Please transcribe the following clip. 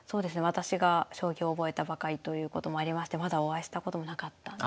私が将棋を覚えたばかりということもありましてまだお会いしたこともなかったんですよね。